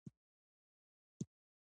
دفاع وزارت پوځ اداره کوي